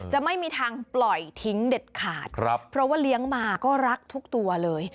จะไม่มีทางปล่อยทิ้งเด็ดขาดครับเพราะว่าเลี้ยงมาก็รักทุกตัวเลย